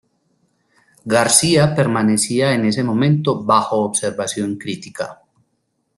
García permanecía en ese momento "bajo observación crítica".